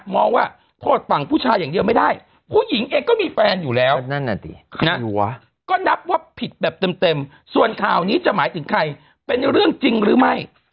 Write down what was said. มองว่าโทษฝั่งผู้ชายอย่างเดียวไม่ได้ผู้หญิงเองก็มีแฟนอยู่แล้วนั่นน่ะสิก็นับว่าผิดแบบเต็มส่วนข่าวนี้จะหมายถึงใครเป็นเรื่องจริงหรือไม่